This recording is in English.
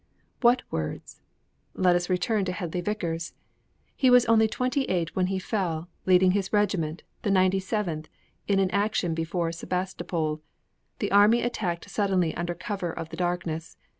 _' What words? Let us return to Hedley Vicars! He was only twenty eight when he fell, leading his regiment the Ninety seventh in action before Sebastopol. The enemy attacked suddenly under cover of the darkness.